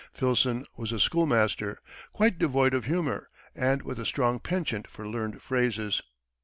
Filson was a schoolmaster, quite devoid of humor, and with a strong penchant for learned phrases.